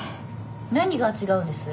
何が違うんです？